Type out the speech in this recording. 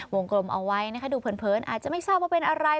กลมเอาไว้นะคะดูเผินอาจจะไม่ทราบว่าเป็นอะไร